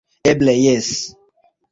Eble jes!